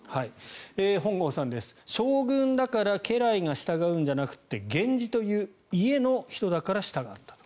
本郷さんです、将軍だから家来が従うんじゃなくて源氏という家の人だから従ったと。